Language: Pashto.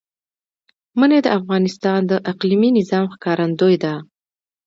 منی د افغانستان د اقلیمي نظام ښکارندوی ده.